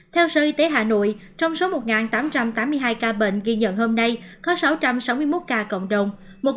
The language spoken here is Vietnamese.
theo sở y tế hà nội trong số một tám trăm tám mươi hai ca bệnh ghi nhận hôm nay có sáu trăm sáu mươi một ca cộng đồng